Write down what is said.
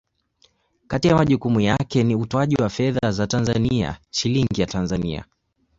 Kati ya majukumu yake ni utoaji wa fedha za Tanzania, Shilingi ya Tanzania.